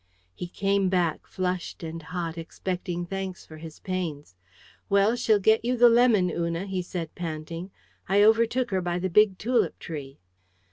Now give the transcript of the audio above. He came back, flushed and hot, expecting thanks for his pains. "Well, she'll get you the lemon, Una," he said, panting. "I overtook her by the big tulip tree."